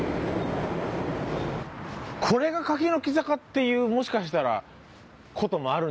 これが柿の木坂っていうもしかしたら事もある。